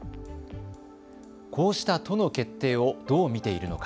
こうした都の決定をどう見ているのか。